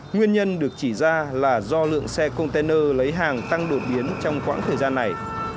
nguyên nhân được chỉ ra là do lượng xe container lấy hàng tăng đột biến trong quãng thời gian này